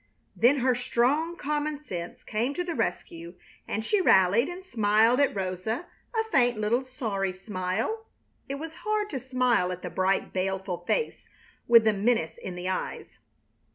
Then her strong common sense came to the rescue and she rallied and smiled at Rosa a faint little sorry smile. It was hard to smile at the bright, baleful face with the menace in the eyes.